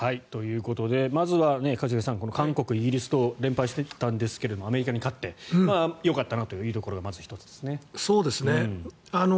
ということでまずは一茂さん、韓国、イギリスと連敗していたんですがアメリカに勝ってよかったなというところがまず１つですね。